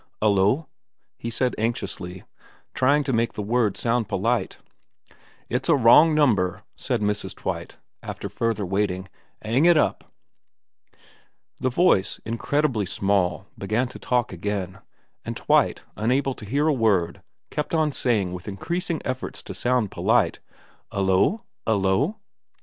301 VERA xxvn ' 'Ullo ?' he said anxiously, trying to make the word sound polite. ' It's a wrong number,' said Mrs. Twite, after further waiting. ' 'Aiig it up.' The voice, incredibly small, began to talk again, and Twite, unable to hear a word, kept on saying with increasing efforts to sound polite, ' 'Ullo ? 'Ullo ?